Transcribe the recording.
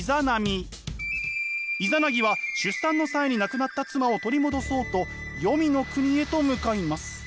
イザナギは出産の際に亡くなった妻を取り戻そうと黄泉の国へと向かいます。